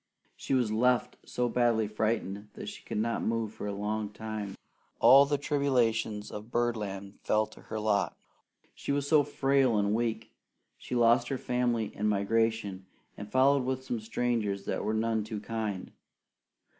She was left so badly frightened that she could not move for a long time. All the tribulations of birdland fell to her lot. She was so frail and weak she lost her family in migration, and followed with some strangers that were none too kind.